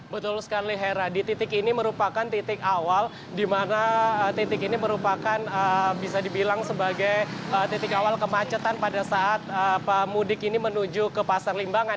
betul sekali hera di titik ini merupakan titik awal di mana titik ini merupakan bisa dibilang sebagai titik awal kemacetan pada saat mudik ini menuju ke pasar limbangan